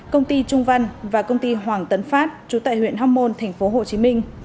công ty trung văn và công ty hoàng tấn phát trú tại huyện hóc môn tp hcm